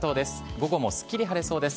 午後もすっきり晴れそうです。